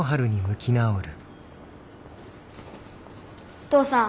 お父さん。